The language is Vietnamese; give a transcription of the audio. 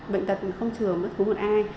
bệnh tật không chừa mất phú một ai